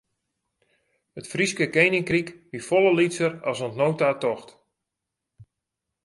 It Fryske keninkryk wie folle lytser as oant no ta tocht.